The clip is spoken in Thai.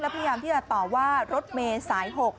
พยายามที่จะต่อว่ารถเมย์สาย๖